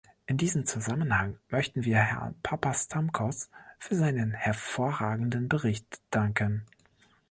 In diesem Zusammenhang möchten wir Herrn Papastamkos für seinen hervorragenden Bericht danken.